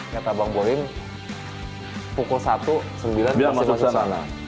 kata bang boyin pukul satu sembilan masih masuk sana